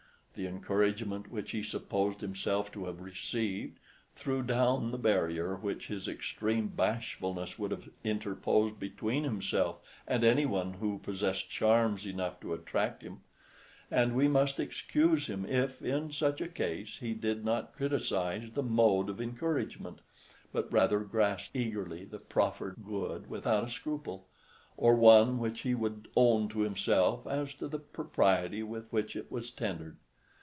The encouragement which he supposed himself to have received, threw down the barrier which his extreme bashfulness would have interposed between himself and any one who possessed charms enough to attract him; and we must excuse him if, in such a case, he did not criticise the mode of encouragement, but rather grasped eagerly the proffered good without a scruple, or one which he would own to himself, as to the propriety with which it was tendered.